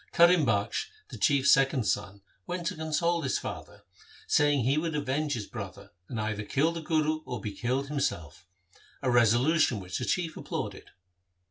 Karim Bakhsh, the Chief's second son, went to console his father, saying he would avenge his brother, and either kill the Guru or be killed himself — a resolution which the chief applauded.